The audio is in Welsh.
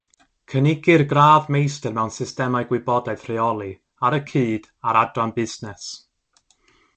Cynigir Gradd Meistr mewn Systemau Gwybodaeth Rheoli ar y cyd â'r Adran Busnes.